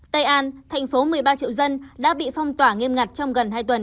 tây an thành phố một mươi ba triệu dân đã bị phong tỏa nghiêm ngặt trong gần hai tuần